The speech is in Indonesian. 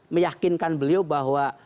meyakinkan beliau bahwa